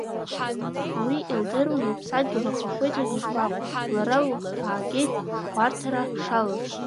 Уи илдыруан лыԥсадгьыл ахақәиҭраз ишгәаҟуаз, лара лыхәҭаагьы хәарҭара шалаз.